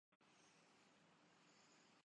کے مفہوم میں استعمال